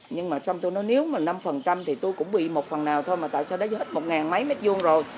nhưng mà xong tôi nói nếu mà năm thì tôi cũng bị một phần nào thôi mà tại sao đấy hết một mấy mấy vuông rồi